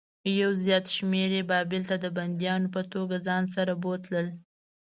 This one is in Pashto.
یو زیات شمېر یې بابل ته د بندیانو په توګه ځان سره بوتلل.